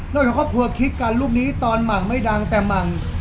จากครอบครัวคิดกันรูปนี้ตอนหมั่งไม่ดังแต่หมั่ง